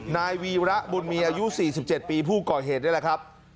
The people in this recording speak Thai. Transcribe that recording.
นายวีระบุญมีอายุ๔๗ปีผู้ก่อเหตุนี่แหละครับ